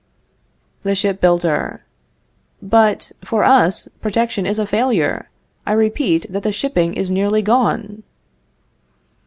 "The Ship builder. But, for us, protection is a failure. I repeat that the shipping is nearly gone.